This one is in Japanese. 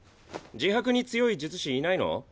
自白に強い術師いないの？